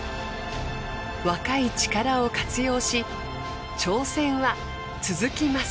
若い力を活用し挑戦は続きます。